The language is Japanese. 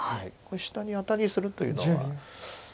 下にアタリするというのは。